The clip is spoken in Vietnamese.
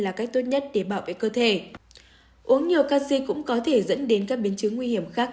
là cách tốt nhất để bảo vệ cơ thể uống nhiều canxi cũng có thể dẫn đến các biến chứng nguy hiểm khác